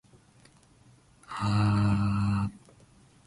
あああああああああああああああああああ